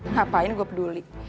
ngapain gue peduli